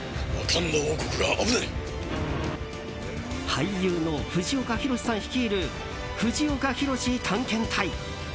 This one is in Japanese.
俳優の藤岡弘、さん率いる藤岡弘、探検隊！